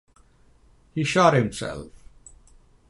He shot himself.